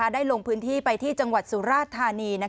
ลงพื้นที่ไปที่จังหวัดสุราธานี